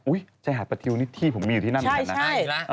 ชายหาดประทิวนี่ที่ผมมีอยู่ที่นั่นเหมือนกันนะ